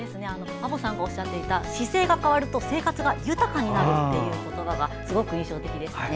安保さんがおっしゃってた姿勢が変わると生活が豊かになるっていう言葉がすごく印象的でしたね。